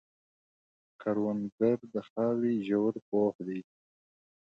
کروندګر د خاورې ژور پوه دی